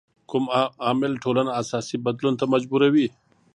کوم عامل ټولنه اساسي بدلون ته مجبوروي؟